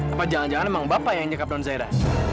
apa jangan jangan memang bapak yang nyekap non zaira